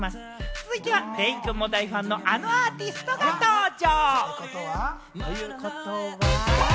続いてはデイくんも大ファンの、あのアーティストが登場。